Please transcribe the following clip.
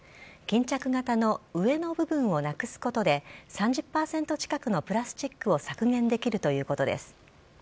巾着型の上の部分をなくすことで、３０％近くのプラスチックを削減できるということです。